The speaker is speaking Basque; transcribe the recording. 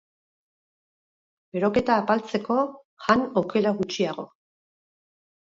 Beroketa apaltzeko, jan okela gutxiago.